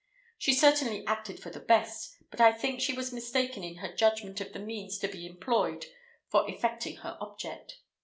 She certainly acted for the best, but I think she was mistaken in her judgment of the means to be employed for effecting her object.